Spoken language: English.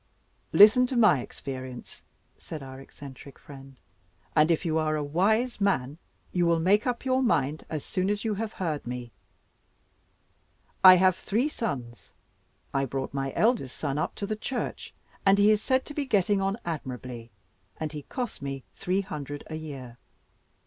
"Listen to my experience," said our eccentric friend, "and, if you are a wise man, you will make up your mind as soon as you have heard me. I have three sons. I brought my eldest son up to the Church; he is said to be getting on admirably, and he costs me three hundred a year.